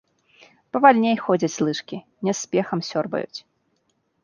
Павальней ходзяць лыжкі, не з спехам сёрбаюць.